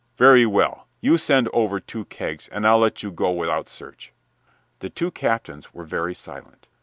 Very well, you send over two kegs, and I'll let you go without search." The two captains were very silent.